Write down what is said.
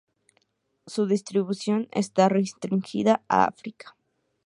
Su distribución está restringida a África.